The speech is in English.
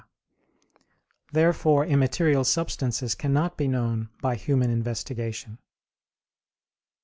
Therefore immaterial substances cannot be known by human investigation.